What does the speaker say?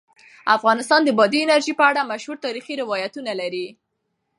افغانستان د بادي انرژي په اړه مشهور تاریخی روایتونه لري.